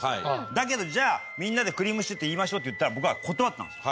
だけどじゃあみんなでくりぃむしちゅーって言いましょうって言ったら僕は断ったんです。